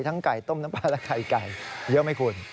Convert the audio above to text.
ไก่ต้มน้ำปลาและไข่ไก่เยอะไหมคุณ